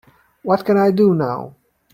what can I do now?